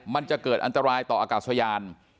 มันจะเกิดอันตรายต่ออากาศยาน